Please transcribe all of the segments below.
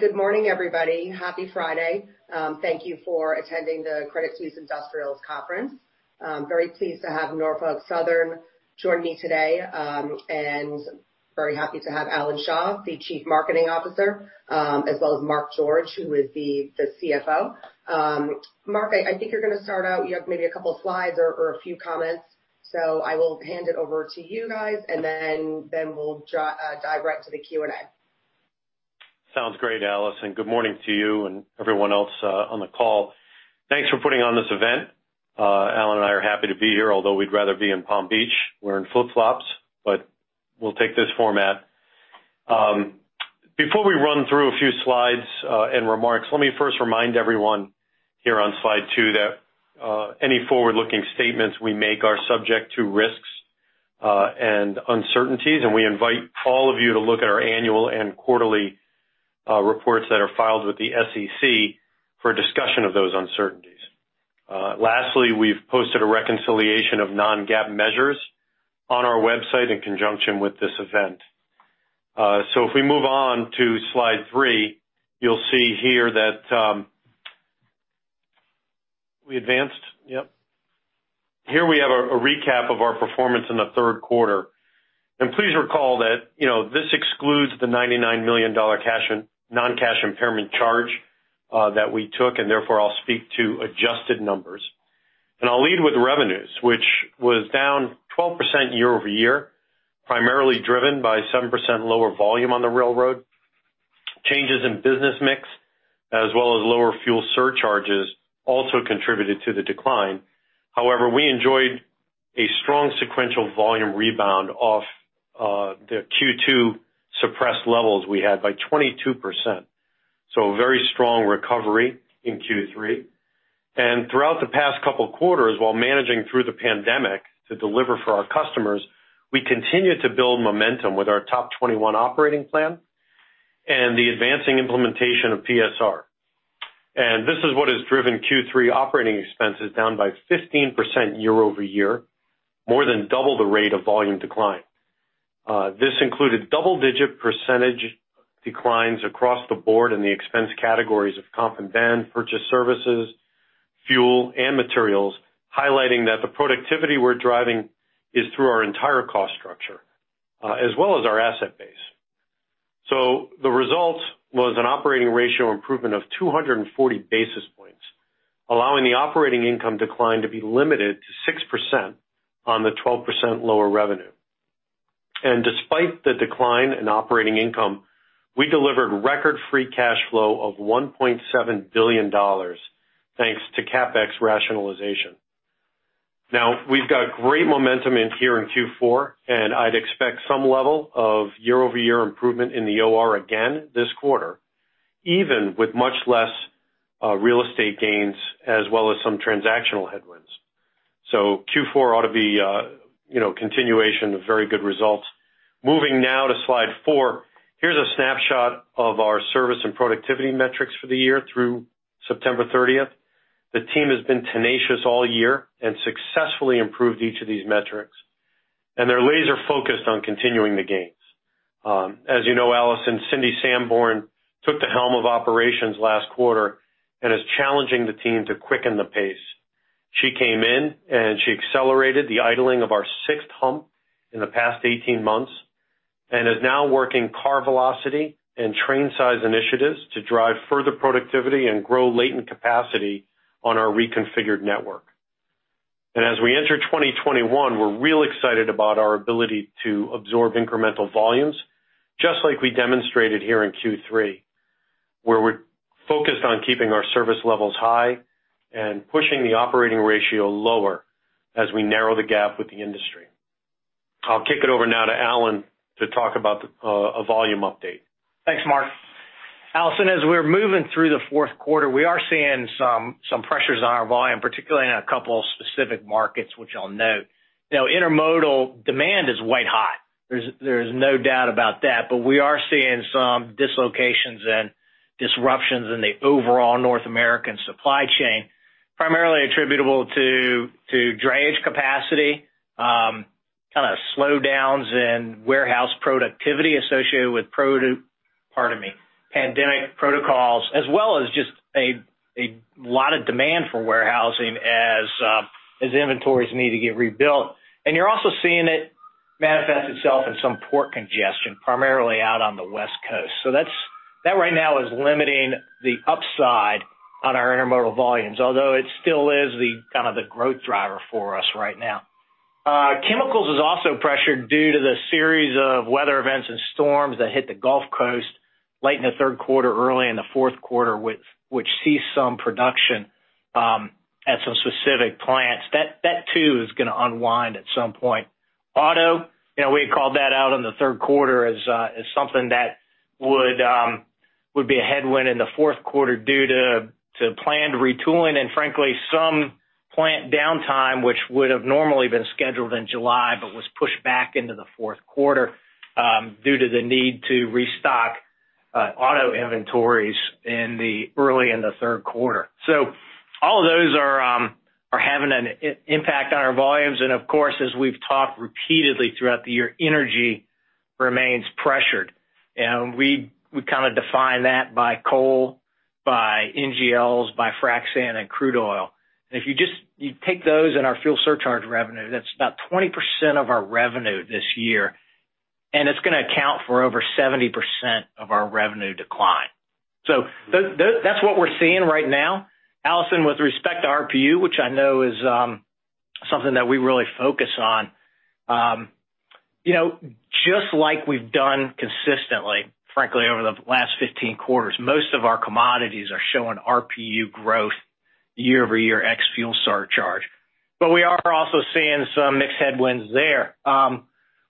Good morning, everybody. Happy Friday. Thank you for attending the Credit Suisse Industrials Conference. I'm very pleased to have Norfolk Southern join me today, and very happy to have Alan Shaw, the Chief Marketing Officer, as well as Mark George, who is the CFO. Mark, I think you're going to start out. You have maybe a couple of slides or a few comments, so I will hand it over to you guys, and then we'll dive right into the Q&A. Sounds great, Alison. Good morning to you and everyone else on the call. Thanks for putting on this event. Alan and I are happy to be here, although we'd rather be in Palm Beach. We're in flip-flops, but we'll take this format. Before we run through a few slides and remarks, let me first remind everyone here on slide two that any forward-looking statements we make are subject to risks and uncertainties, and we invite all of you to look at our annual and quarterly reports that are filed with the SEC for discussion of those uncertainties. Lastly, we've posted a reconciliation of non-GAAP measures on our website in conjunction with this event. If we move on to slide three, you'll see here that we advanced. Yep. Here we have a recap of our performance in the third quarter. Please recall that this excludes the $99 million non-cash impairment charge that we took, and therefore I'll speak to adjusted numbers. I'll lead with revenues, which was down 12% year-over-year, primarily driven by 7% lower volume on the railroad. Changes in business mix, as well as lower fuel surcharges, also contributed to the decline. However, we enjoyed a strong sequential volume rebound off the Q2 suppressed levels we had by 22%. A very strong recovery in Q3. Throughout the past couple of quarters, while managing through the pandemic to deliver for our customers, we continued to build momentum with our Top 21 operating plan and the advancing implementation of PSR. This is what has driven Q3 operating expenses down by 15% year-over-year, more than double the rate of volume decline. This included double-digit percentage declines across the board in the expense categories of comp and band, purchase services, fuel, and materials, highlighting that the productivity we're driving is through our entire cost structure, as well as our asset base. The result was an operating ratio improvement of 240 basis points, allowing the operating income decline to be limited to 6% on the 12% lower revenue. Despite the decline in operating income, we delivered record free cash flow of $1.7 billion, thanks to CapEx rationalization. Now, we've got great momentum here in Q4, and I'd expect some level of year-over-year improvement in the OR again this quarter, even with much less real estate gains, as well as some transactional headwinds. Q4 ought to be a continuation of very good results. Moving now to slide four, here's a snapshot of our service and productivity metrics for the year through September 30th. The team has been tenacious all year and successfully improved each of these metrics, and they're laser-focused on continuing the gains. As you know, Alison, Cindy Sanborn took the helm of operations last quarter and is challenging the team to quicken the pace. She came in, and she accelerated the idling of our sixth hump in the past 18 months and is now working car velocity and train size initiatives to drive further productivity and grow latent capacity on our reconfigured network. As we enter 2021, we're real excited about our ability to absorb incremental volumes, just like we demonstrated here in Q3, where we're focused on keeping our service levels high and pushing the operating ratio lower as we narrow the gap with the industry. I'll kick it over now to Alan to talk about a volume update. Thanks, Mark. Alison, as we're moving through the fourth quarter, we are seeing some pressures on our volume, particularly in a couple of specific markets, which I'll note. Intermodal demand is way high. There's no doubt about that, but we are seeing some dislocations and disruptions in the overall North American supply chain, primarily attributable to drayage capacity, kind of slowdowns in warehouse productivity associated with, pardon me, pandemic protocols, as well as just a lot of demand for warehousing as inventories need to get rebuilt. You are also seeing it manifest itself in some port congestion, primarily out on the West Coast. That right now is limiting the upside on our intermodal volumes, although it still is kind of the growth driver for us right now. Chemicals is also pressured due to the series of weather events and storms that hit the Gulf Coast late in the third quarter, early in the fourth quarter, which sees some production at some specific plants. That too is going to unwind at some point. Auto, we had called that out in the third quarter as something that would be a headwind in the fourth quarter due to planned retooling and, frankly, some plant downtime, which would have normally been scheduled in July but was pushed back into the fourth quarter due to the need to restock auto inventories early in the third quarter. All of those are having an impact on our volumes. Of course, as we've talked repeatedly throughout the year, energy remains pressured. We kind of define that by coal, by NGLs, by frac sand, and crude oil. If you take those in our fuel surcharge revenue, that's about 20% of our revenue this year, and it's going to account for over 70% of our revenue decline. That is what we're seeing right now. Alison, with respect to RPU, which I know is something that we really focus on, just like we've done consistently, frankly, over the last 15 quarters, most of our commodities are showing RPU growth year over year ex fuel surcharge. We are also seeing some mixed headwinds there. A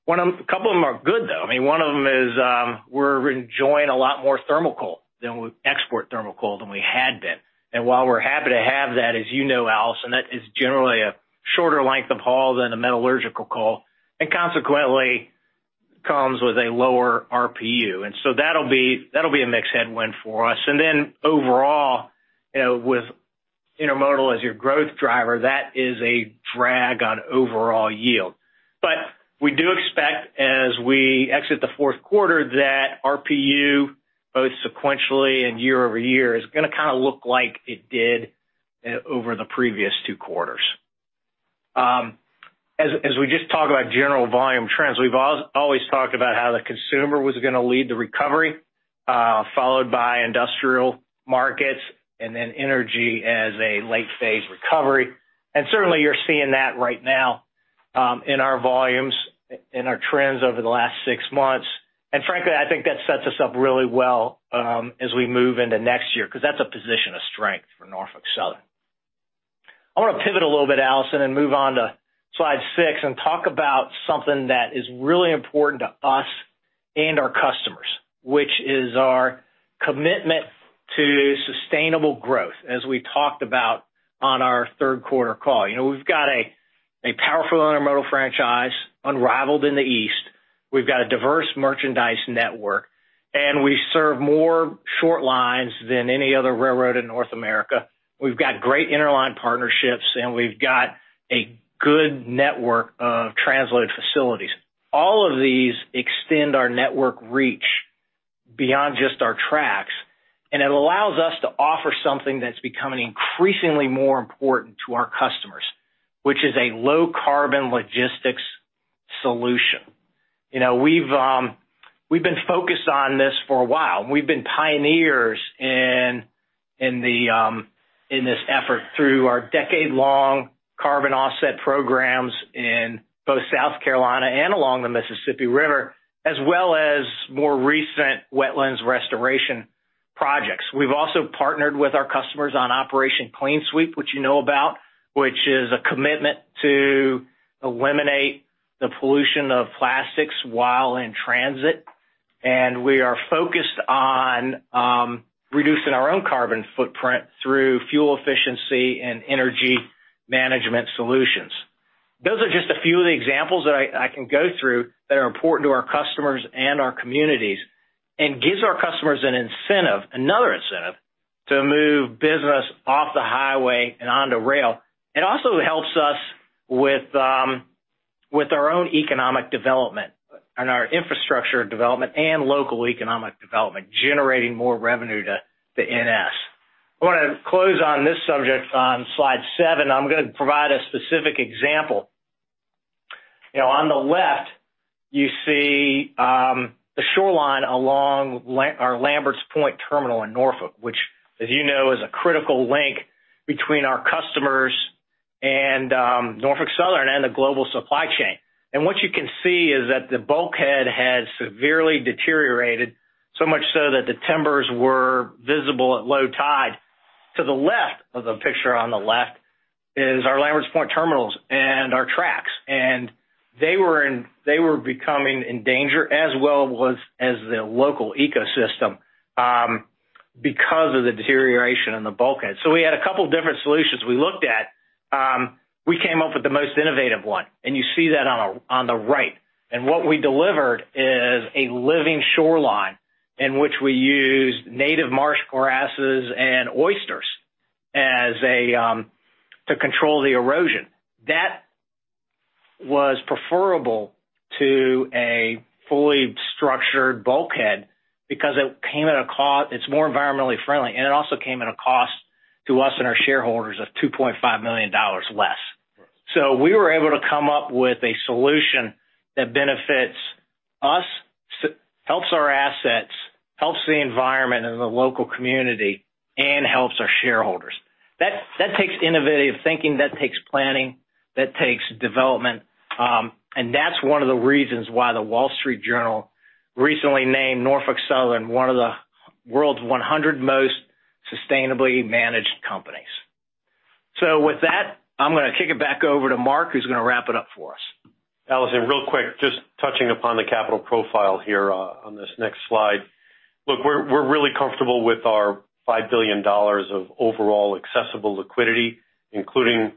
couple of them are good, though. I mean, one of them is we're enjoying a lot more thermal coal than we export thermal coal than we had been. While we're happy to have that, as you know, Alison, that is generally a shorter length of haul than a metallurgical coal and consequently comes with a lower RPU. That will be a mixed headwind for us. Overall, with intermodal as your growth driver, that is a drag on overall yield. We do expect, as we exit the fourth quarter, that RPU, both sequentially and year-over-year, is going to kind of look like it did over the previous two quarters. As we just talk about general volume trends, we've always talked about how the consumer was going to lead the recovery, followed by industrial markets, and then energy as a late-phase recovery. Certainly, you're seeing that right now in our volumes, in our trends over the last six months. Frankly, I think that sets us up really well as we move into next year because that's a position of strength for Norfolk Southern. I want to pivot a little bit, Alison, and move on to slide six and talk about something that is really important to us and our customers, which is our commitment to sustainable growth, as we talked about on our third quarter call. We've got a powerful intermodal franchise unrivaled in the east. We've got a diverse merchandise network, and we serve more short lines than any other railroad in North America. We've got great interline partnerships, and we've got a good network of transload facilities. All of these extend our network reach beyond just our tracks, and it allows us to offer something that's becoming increasingly more important to our customers, which is a low-carbon logistics solution. We've been focused on this for a while. We've been pioneers in this effort through our decade-long carbon offset programs in both South Carolina and along the Mississippi River, as well as more recent wetlands restoration projects. We've also partnered with our customers on Operation Clean Sweep, which you know about, which is a commitment to eliminate the pollution of plastics while in transit. We are focused on reducing our own carbon footprint through fuel efficiency and energy management solutions. Those are just a few of the examples that I can go through that are important to our customers and our communities and gives our customers an incentive, another incentive to move business off the highway and onto rail. It also helps us with our own economic development and our infrastructure development and local economic development, generating more revenue to the NS. I want to close on this subject on slide seven. I'm going to provide a specific example. On the left, you see the shoreline along our Lambert's Point terminal in Norfolk, which, as you know, is a critical link between our customers and Norfolk Southern and the global supply chain. What you can see is that the bulkhead had severely deteriorated, so much so that the timbers were visible at low tide. To the left of the picture on the left is our Lambert's Point terminals and our tracks. They were becoming in danger, as well as the local ecosystem, because of the deterioration in the bulkhead. We had a couple of different solutions we looked at. We came up with the most innovative one, and you see that on the right. What we delivered is a living shoreline in which we used native marsh grasses and oysters to control the erosion. That was preferable to a fully structured bulkhead because it came at a cost. It's more environmentally friendly, and it also came at a cost to us and our shareholders of $2.5 million less. We were able to come up with a solution that benefits us, helps our assets, helps the environment and the local community, and helps our shareholders. That takes innovative thinking. That takes planning. That takes development. That is one of the reasons why The Wall Street Journal recently named Norfolk Southern one of the world's 100 most sustainably managed companies. With that, I'm going to kick it back over to Mark, who's going to wrap it up for us. Alison, real quick, just touching upon the capital profile here on this next slide. Look, we're really comfortable with our $5 billion of overall accessible liquidity, including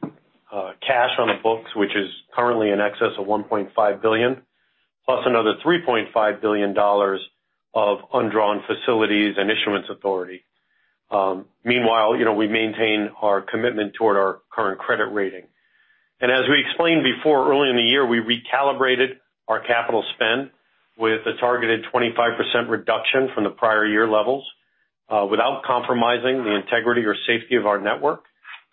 cash on the books, which is currently in excess of $1.5 billion, plus another $3.5 billion of undrawn facilities and issuance authority. Meanwhile, we maintain our commitment toward our current credit rating. As we explained before, early in the year, we recalibrated our capital spend with a targeted 25% reduction from the prior year levels without compromising the integrity or safety of our network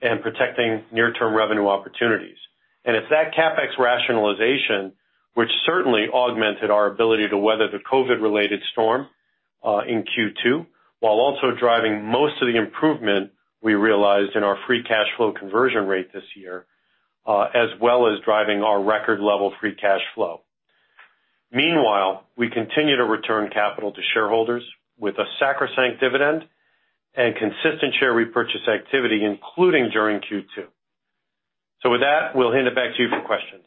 and protecting near-term revenue opportunities. It's that CapEx rationalization, which certainly augmented our ability to weather the COVID-related storm in Q2, while also driving most of the improvement we realized in our free cash flow conversion rate this year, as well as driving our record-level free cash flow. Meanwhile, we continue to return capital to shareholders with a sacrosanct dividend and consistent share repurchase activity, including during Q2. With that, we'll hand it back to you for questions.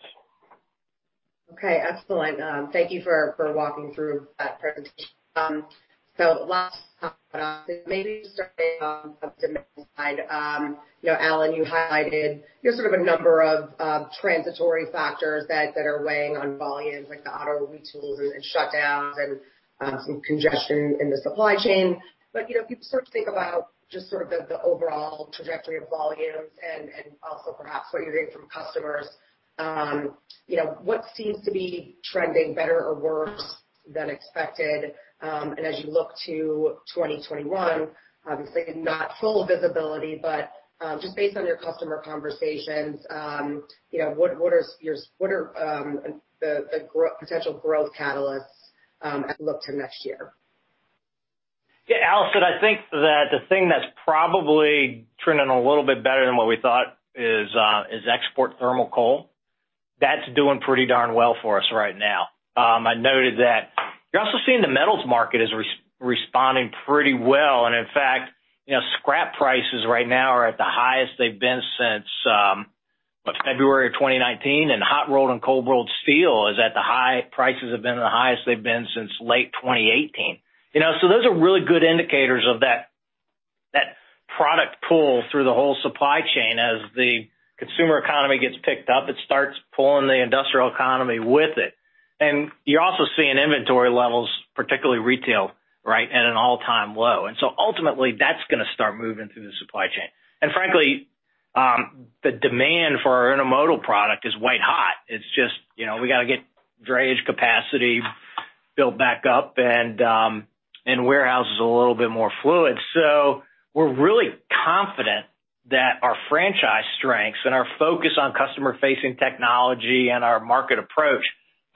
Okay. Excellent. Thank you for walking through that presentation. Last thought, maybe starting on the demand side, Alan, you highlighted sort of a number of transitory factors that are weighing on volumes, like the auto retools and shutdowns and some congestion in the supply chain. If you sort of think about just sort of the overall trajectory of volumes and also perhaps what you're hearing from customers, what seems to be trending better or worse than expected? As you look to 2021, obviously not full visibility, but just based on your customer conversations, what are the potential growth catalysts as we look to next year? Yeah, Alison, I think that the thing that's probably trending a little bit better than what we thought is export thermal coal, that's doing pretty darn well for us right now. I noted that you're also seeing the metals market is responding pretty well. In fact, scrap prices right now are at the highest they've been since February of 2019, and hot-rolled and cold-rolled steel is at the high prices have been the highest they've been since late 2018. Those are really good indicators of that product pull through the whole supply chain. As the consumer economy gets picked up, it starts pulling the industrial economy with it. You're also seeing inventory levels, particularly retail, right, at an all-time low. Ultimately, that's going to start moving through the supply chain. Frankly, the demand for our intermodal product is white hot. We got to get drayage capacity built back up and warehouses a little bit more fluid. We are really confident that our franchise strengths and our focus on customer-facing technology and our market approach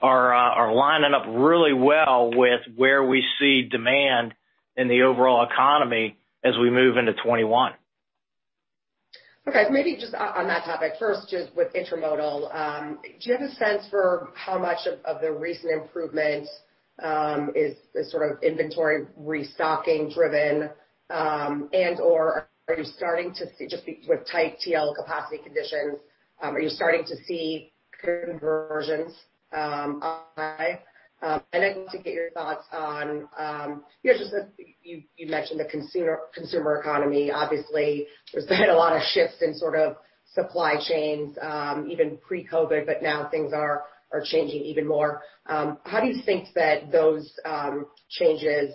are lining up really well with where we see demand in the overall economy as we move into 2021. Okay. Maybe just on that topic, first, just with intermodal, do you have a sense for how much of the recent improvements is sort of inventory restocking driven? And/or are you starting to see, just with tight TL capacity conditions, are you starting to see conversions on high? I'd love to get your thoughts on just you mentioned the consumer economy. Obviously, there's been a lot of shifts in sort of supply chains even pre-COVID, but now things are changing even more. How do you think that those changes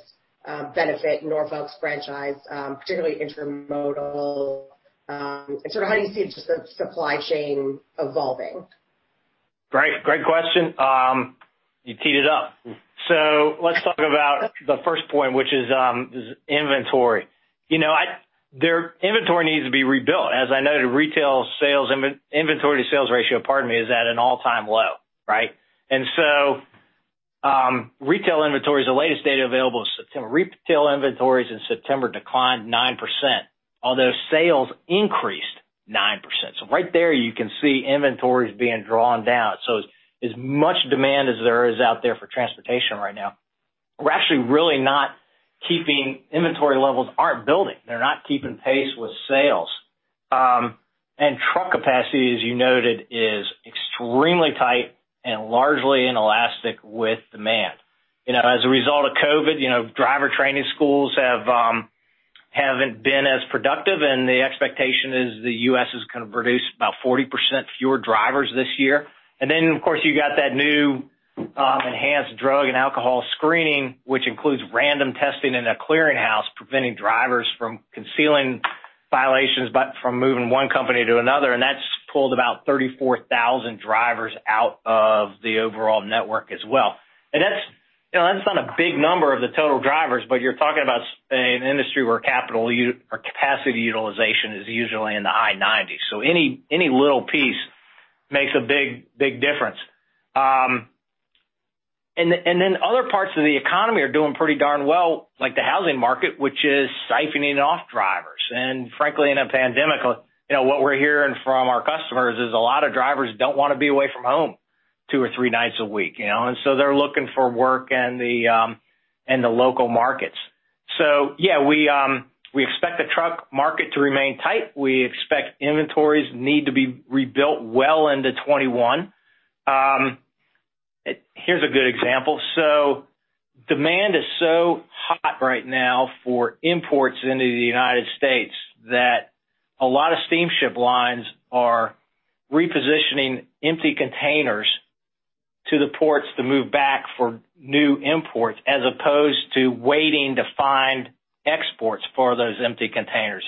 benefit Norfolk's franchise, particularly intermodal? And sort of how do you see just the supply chain evolving? Great question. You teed it up. Let's talk about the first point, which is inventory. Inventory needs to be rebuilt. As I noted, retail inventory to sales ratio, pardon me, is at an all-time low, right? Retail inventories, the latest data available is September. Retail inventories in September declined 9%, although sales increased 9%. Right there, you can see inventories being drawn down. As much demand as there is out there for transportation right now, we're actually really not keeping inventory levels aren't building. They're not keeping pace with sales. Truck capacity, as you noted, is extremely tight and largely inelastic with demand. As a result of COVID, driver training schools haven't been as productive, and the expectation is the US is going to produce about 40% fewer drivers this year. You got that new enhanced drug and alcohol screening, which includes random testing in a clearinghouse, preventing drivers from concealing violations, but from moving one company to another. That has pulled about 34,000 drivers out of the overall network as well. That is not a big number of the total drivers, but you are talking about an industry where capital or capacity utilization is usually in the high 90s. Any little piece makes a big difference. Other parts of the economy are doing pretty darn well, like the housing market, which is siphoning off drivers. Frankly, in a pandemic, what we are hearing from our customers is a lot of drivers do not want to be away from home two or three nights a week. They are looking for work in the local markets. We expect the truck market to remain tight. We expect inventories need to be rebuilt well into 2021. Here's a good example. Demand is so hot right now for imports into the United States that a lot of steamship lines are repositioning empty containers to the ports to move back for new imports, as opposed to waiting to find exports for those empty containers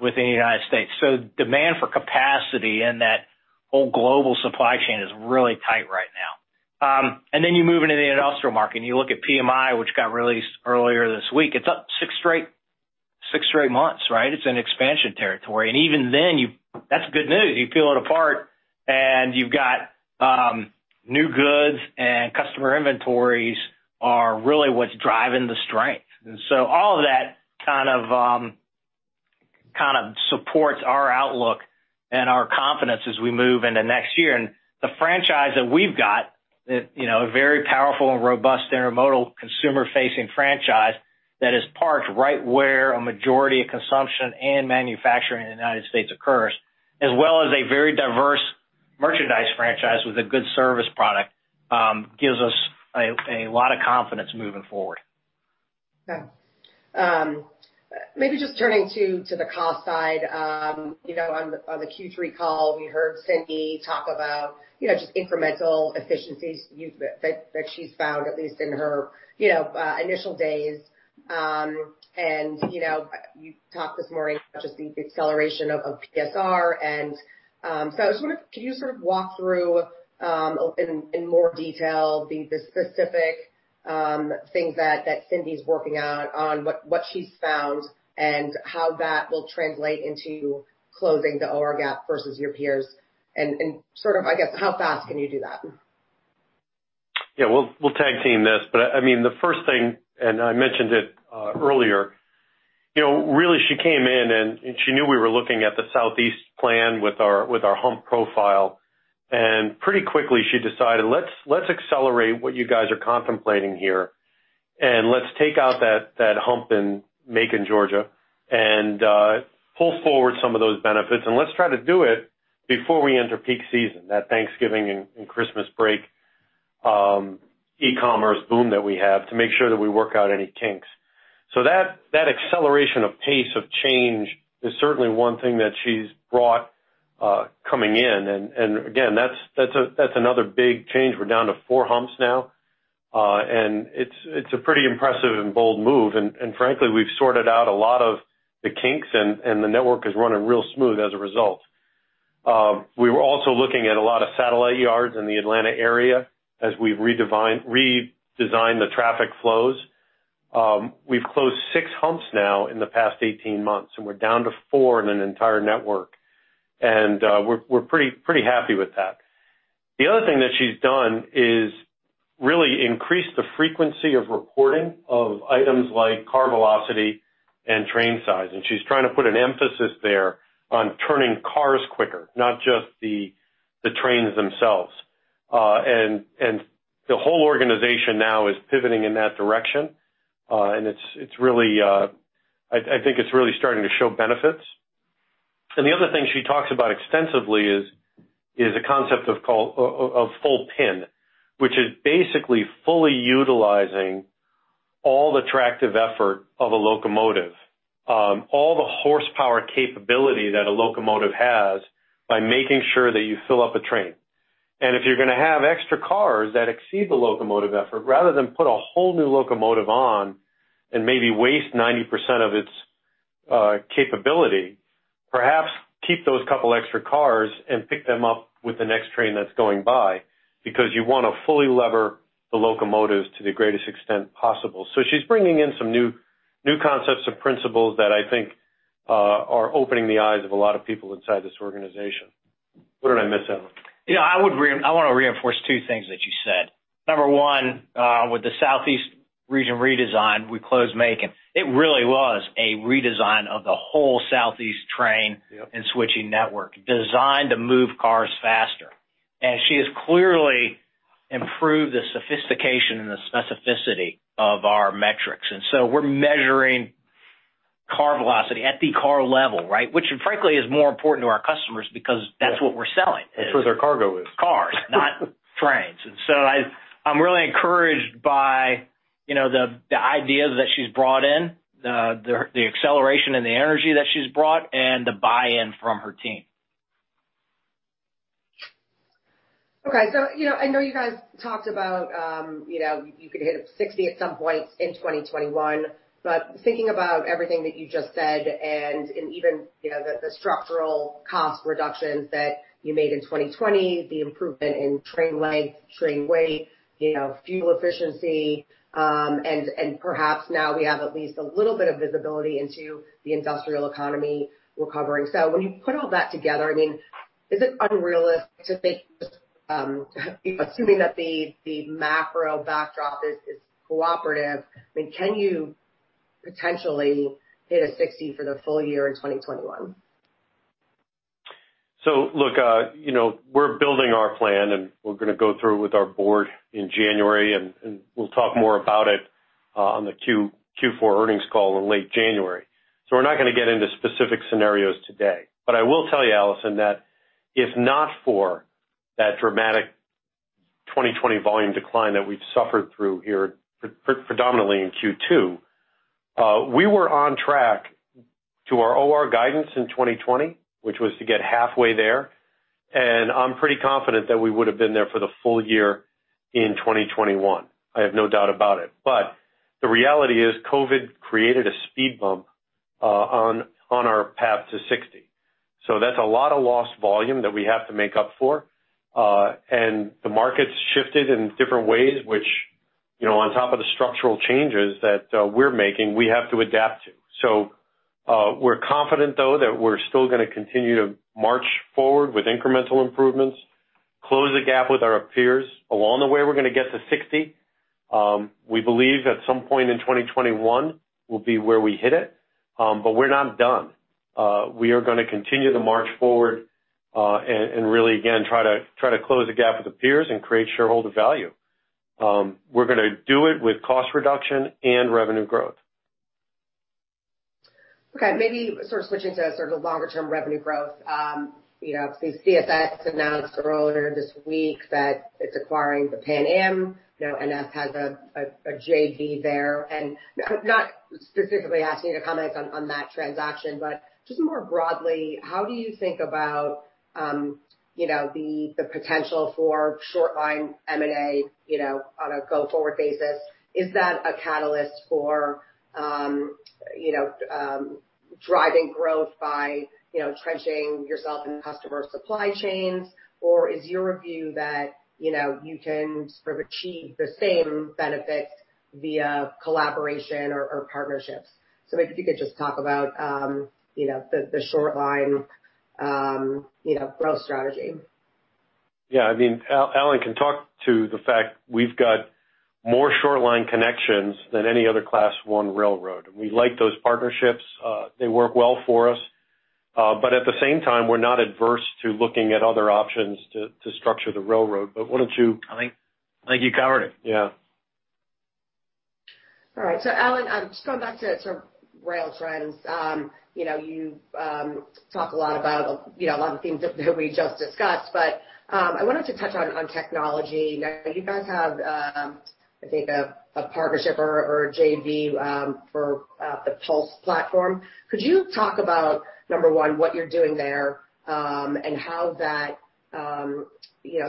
within the United States. Demand for capacity in that whole global supply chain is really tight right now. You move into the industrial market, and you look at PMI, which got released earlier this week. It's up six straight months, right? It's in expansion territory. Even then, that's good news. You peel it apart, and you've got new goods, and customer inventories are really what's driving the strength. All of that kind of supports our outlook and our confidence as we move into next year. The franchise that we've got, a very powerful and robust intermodal consumer-facing franchise that is parked right where a majority of consumption and manufacturing in the United States occurs, as well as a very diverse merchandise franchise with a good service product, gives us a lot of confidence moving forward. Okay. Maybe just turning to the cost side. On the Q3 call, we heard Cindy talk about just incremental efficiencies that she's found, at least in her initial days. You talked this morning about just the acceleration of PSR. I was wondering, can you sort of walk through in more detail the specific things that Cindy's working on, what she's found, and how that will translate into closing the OR gap versus your peers? I guess, how fast can you do that? Yeah, we'll tag team this. I mean, the first thing, and I mentioned it earlier, really she came in, and she knew we were looking at the Southeast plan with our hump profile. Pretty quickly, she decided, "Let's accelerate what you guys are contemplating here, and let's take out that hump in Macon, Georgia, and pull forward some of those benefits. Let's try to do it before we enter peak season, that Thanksgiving and Christmas break e-commerce boom that we have, to make sure that we work out any kinks." That acceleration of pace of change is certainly one thing that she's brought coming in. Again, that's another big change. We're down to four humps now. It's a pretty impressive and bold move. Frankly, we've sorted out a lot of the kinks, and the network is running real smooth as a result. We were also looking at a lot of satellite yards in the Atlanta area as we redesigned the traffic flows. We have closed six humps now in the past 18 months, and we are down to four in the entire network. We are pretty happy with that. The other thing that she has done is really increased the frequency of reporting of items like car velocity and train size. She is trying to put an emphasis there on turning cars quicker, not just the trains themselves. The whole organization now is pivoting in that direction. I think it is really starting to show benefits. The other thing she talks about extensively is the concept of full PIN, which is basically fully utilizing all the tractive effort of a locomotive, all the horsepower capability that a locomotive has by making sure that you fill up a train. If you're going to have extra cars that exceed the locomotive effort, rather than put a whole new locomotive on and maybe waste 90% of its capability, perhaps keep those couple extra cars and pick them up with the next train that's going by because you want to fully lever the locomotives to the greatest extent possible. She's bringing in some new concepts and principles that I think are opening the eyes of a lot of people inside this organization. What did I miss, Alan? Yeah, I want to reinforce two things that you said. Number one, with the Southeast region redesign, we closed Macon. It really was a redesign of the whole Southeast train and switching network designed to move cars faster. She has clearly improved the sophistication and the specificity of our metrics. We are measuring car velocity at the car level, right? Which, frankly, is more important to our customers because that's what we're selling. That's where their cargo is. Cars, not trains. I am really encouraged by the ideas that she has brought in, the acceleration and the energy that she has brought, and the buy-in from her team. Okay. I know you guys talked about you could hit 60 at some point in 2021. Thinking about everything that you just said and even the structural cost reductions that you made in 2020, the improvement in train length, train weight, fuel efficiency, and perhaps now we have at least a little bit of visibility into the industrial economy we're covering. When you put all that together, I mean, is it unrealistic to think just assuming that the macro backdrop is cooperative? I mean, can you potentially hit a 60 for the full year in 2021? Look, we're building our plan, and we're going to go through it with our board in January, and we'll talk more about it on the Q4 earnings call in late January. We're not going to get into specific scenarios today. I will tell you, Alison, that if not for that dramatic 2020 volume decline that we've suffered through here predominantly in Q2, we were on track to our OR guidance in 2020, which was to get halfway there. I'm pretty confident that we would have been there for the full year in 2021. I have no doubt about it. The reality is COVID created a speed bump on our path to 60. That's a lot of lost volume that we have to make up for. The market's shifted in different ways, which on top of the structural changes that we're making, we have to adapt to. We are confident, though, that we're still going to continue to march forward with incremental improvements, close the gap with our peers. Along the way, we're going to get to 60. We believe at some point in 2021 will be where we hit it. We are not done. We are going to continue to march forward and really, again, try to close the gap with the peers and create shareholder value. We're going to do it with cost reduction and revenue growth. Okay. Maybe sort of switching to sort of the longer-term revenue growth. CSX announced earlier this week that it's acquiring the Pan Am. Now, NS has a JV there. Not specifically asking you to comment on that transaction, but just more broadly, how do you think about the potential for short-line M&A on a go-forward basis? Is that a catalyst for driving growth by trenching yourself in customer supply chains? Or is your view that you can sort of achieve the same benefits via collaboration or partnerships? Maybe if you could just talk about the short-line growth strategy. Yeah. I mean, Alan can talk to the fact we've got more short-line connections than any other Class 1 railroad. And we like those partnerships. They work well for us. At the same time, we're not adverse to looking at other options to structure the railroad. Why don't you? I think you covered it. Yeah. All right. Alan, just going back to rail trends, you talk a lot about a lot of the things that we just discussed. I wanted to touch on technology. You guys have, I think, a partnership or a JV for the Pulse Platform. Could you talk about, number one, what you're doing there and how that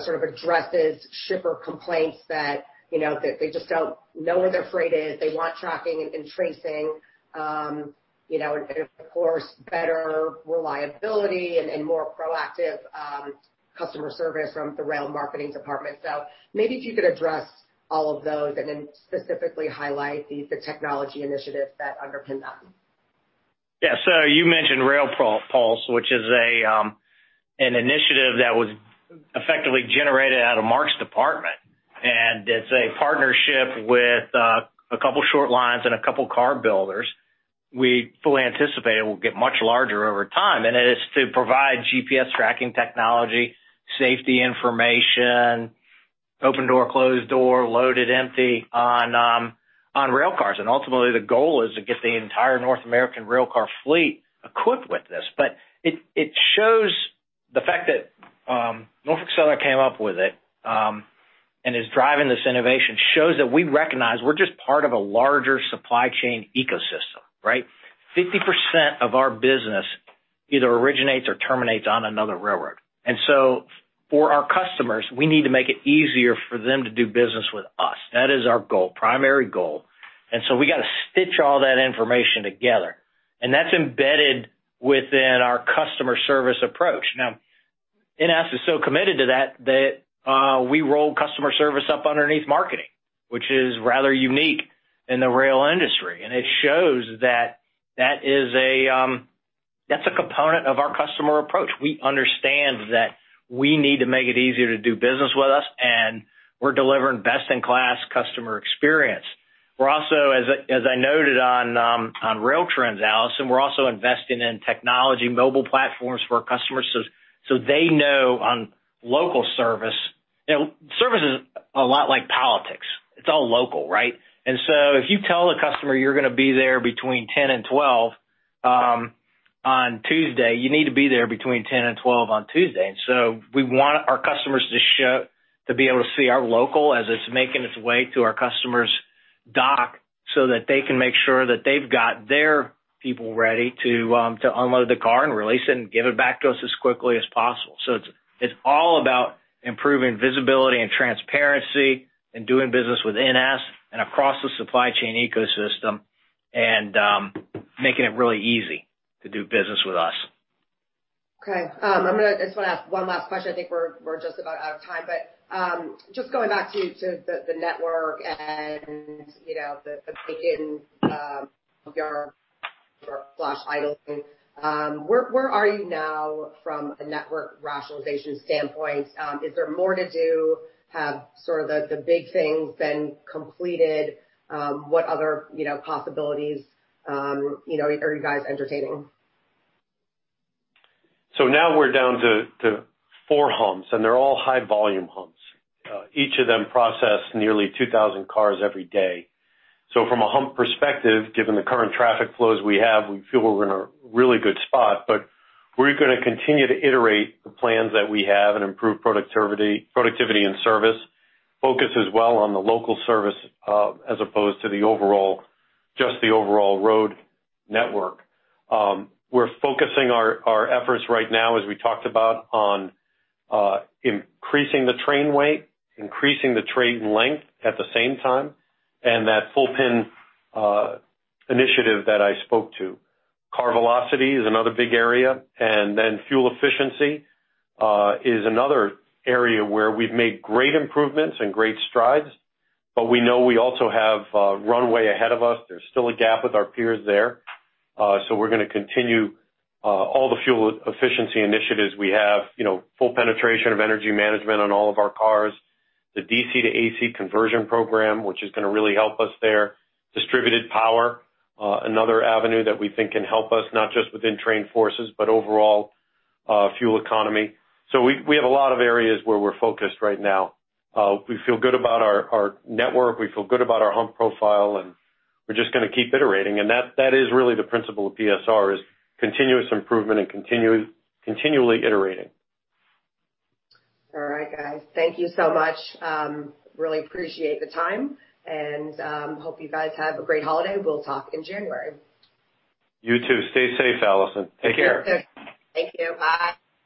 sort of addresses shipper complaints that they just do not know where their freight is? They want tracking and tracing and, of course, better reliability and more proactive customer service from the rail marketing department. Maybe if you could address all of those and then specifically highlight the technology initiatives that underpin them. Yeah. You mentioned Rail Pulse, which is an initiative that was effectively generated out of Mark's department. It is a partnership with a couple short lines and a couple car builders. We fully anticipate it will get much larger over time. It is to provide GPS tracking technology, safety information, open door, closed door, loaded, empty on rail cars. Ultimately, the goal is to get the entire North American railcar fleet equipped with this. It shows the fact that Norfolk Southern came up with it and is driving this innovation shows that we recognize we are just part of a larger supply chain ecosystem, right? 50% of our business either originates or terminates on another railroad. For our customers, we need to make it easier for them to do business with us. That is our goal, primary goal. We got to stitch all that information together. That is embedded within our customer service approach. NS is so committed to that that we roll customer service up underneath marketing, which is rather unique in the rail industry. It shows that that is a component of our customer approach. We understand that we need to make it easier to do business with us, and we're delivering best-in-class customer experience. As I noted on rail trends, Alison, we're also investing in technology, mobile platforms for our customers so they know on local service. Service is a lot like politics. It's all local, right? If you tell a customer you're going to be there between 10:00 A.M. and 12:00 P.M. on Tuesday, you need to be there between 10:00 A.M. and 12:00 P.M. on Tuesday. We want our customers to be able to see our local as it is making its way to our customer's dock so that they can make sure that they have got their people ready to unload the car and release it and give it back to us as quickly as possible. It is all about improving visibility and transparency and doing business with NS and across the supply chain ecosystem and making it really easy to do business with us. Okay. I just want to ask one last question. I think we're just about out of time. Just going back to the network and the Macon yard idling thing, where are you now from a network rationalization standpoint? Is there more to do? Have sort of the big things been completed? What other possibilities are you guys entertaining? We are down to four humps, and they are all high-volume humps. Each of them process nearly 2,000 cars every day. From a hump perspective, given the current traffic flows we have, we feel we are in a really good spot. We are going to continue to iterate the plans that we have and improve productivity and service, focus as well on the local service as opposed to just the overall road network. We are focusing our efforts right now, as we talked about, on increasing the train weight, increasing the train length at the same time, and that full PIN initiative that I spoke to. Car velocity is another big area. Fuel efficiency is another area where we have made great improvements and great strides. We know we also have runway ahead of us. There is still a gap with our peers there. We're going to continue all the fuel efficiency initiatives we have, full penetration of energy management on all of our cars, the DC to AC conversion program, which is going to really help us there, distributed power, another avenue that we think can help us not just within train forces, but overall fuel economy. We have a lot of areas where we're focused right now. We feel good about our network. We feel good about our hump profile. We're just going to keep iterating. That is really the principle of PSR, continuous improvement and continually iterating. All right, guys. Thank you so much. Really appreciate the time. Hope you guys have a great holiday. We'll talk in January. You too. Stay safe, Alison. Take care. Take care. Thank you. Bye.